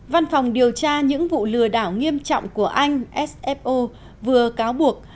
văn phòng điều tra những vụ lừa đảo nghiêm trọng của anh sfo vừa cáo buộc